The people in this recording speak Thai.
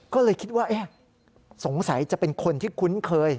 ก็เลยคิดว่าสงสัยจะเป็นคนที่คุ้นเคย